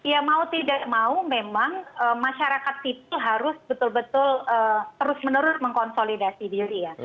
ya mau tidak mau memang masyarakat sipil harus betul betul terus menerus mengkonsolidasi diri ya